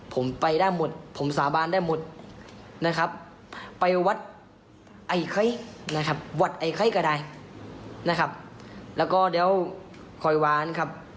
ผมไปได้หมดผมสาบานได้หมดนะครับ